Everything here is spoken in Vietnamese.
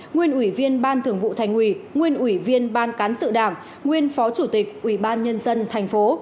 nguyên ủy viên ban thưởng vụ thành ủy nguyên ủy viên ban cán sự đảng nguyên phó chủ tịch ủy ban nhân dân tp hcm